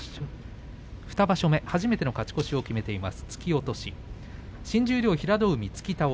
２場所目初めての勝ち越しを決めています。